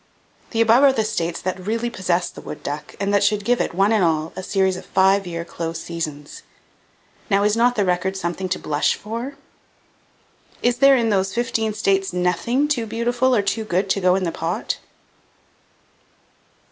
The above are the states that really possess the wood duck and that should give it, one and all, a series of five year close seasons. Now, is not the record something to blush for? Is there in those fifteen states nothing too beautiful or too good to go into the pot?